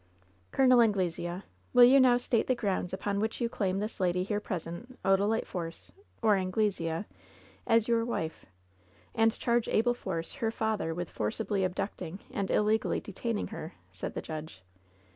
"Col. Anglesea, will you now state the grounds upon which you claim this lady here present, Odalite Force, 110 LOVE'S BITTEREST CUP or Anglesea, as your wife, and charge Abel Force, her father, with forcibly abducting and illegally detaining her ?" said the judge.